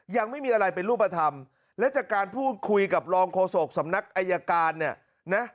ยังไม่มีอะไรเป็นรูปธรรมและจากการพูดคุยกับรองโฆษกสำนักอายการเนี่ยนะ